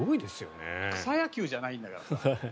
草野球じゃないんだから。